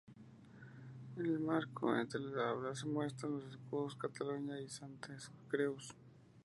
En el marco entre tablas se muestran los escudos de Cataluña y Santes Creus.